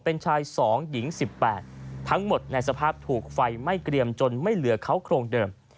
เป็นชาย๒หญิง๑๘ทั้งหมดในสภาพถูกไฟไหม้เกรียมจนไม่เหลือเขาโครงเดิม